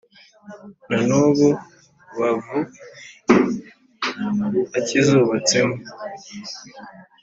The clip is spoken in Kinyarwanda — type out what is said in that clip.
Na n’ubu Bavu akizubatsemwo.